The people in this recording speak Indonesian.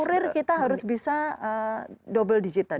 kurir kita harus bisa double digit tadi